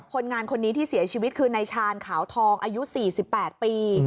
คนงานคนนี้ที่เสียชีวิตคือนายชาญขาวทองอายุ๔๘ปี